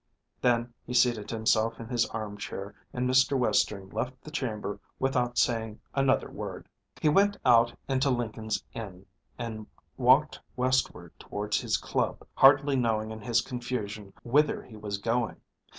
Then he seated himself in his arm chair, and Mr. Western left the chamber without saying another word. He went out into Lincoln's Inn, and walked westward towards his Club, hardly knowing in his confusion whither he was going.